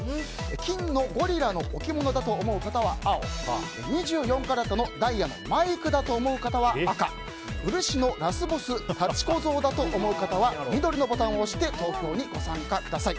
金のゴリラの置物だと思う方は青２４カラットのダイヤのマイクだと思う方は赤漆のラスボス幸子像だと思う方は緑のボタンを押して投票にご参加ください。